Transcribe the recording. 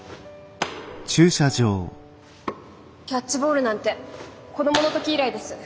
キャッチボールなんて子供の時以来です。